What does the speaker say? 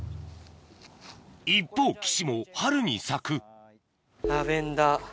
一方岸も春に咲くラベンダー。